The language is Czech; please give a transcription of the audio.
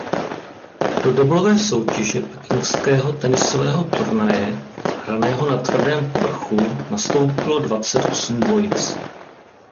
Do deblové soutěže pekingského tenisového turnaje hraného na tvrdém povrchu nastoupilo dvacet osm dvojic.